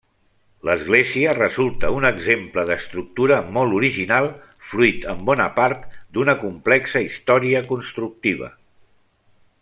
L'església resulta un exemple d'estructura molt original, fruit en bona part d'una complexa història constructiva.